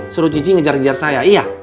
suruh cici ngejar ngejar saya iya